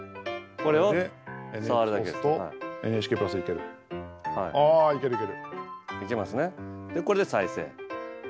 これで再生。